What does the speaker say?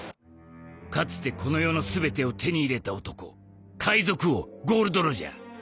かつてこの世の全てを手に入れた男海賊王ゴールド・ロジャー。